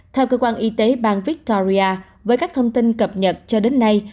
theo cơ quan y tế bang victoria với các thông tin cập nhật cho đến nay